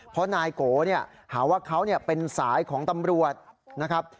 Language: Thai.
เพราะนายโกเนี่ยหาว่าเขาเป็นสายของตำรวจนะครับ